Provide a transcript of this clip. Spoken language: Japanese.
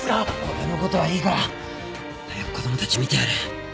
俺のことはいいから早く子供たち診てやれ。